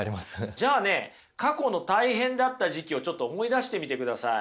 じゃあね過去の大変だった時期をちょっと思い出してみてください。